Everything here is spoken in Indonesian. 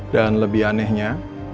dan lebih anehnya